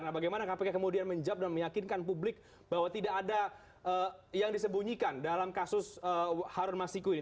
nah bagaimana kpk kemudian menjawab dan meyakinkan publik bahwa tidak ada yang disembunyikan dalam kasus harun masiku ini